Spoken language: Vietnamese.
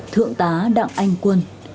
thượng tá đặng anh quân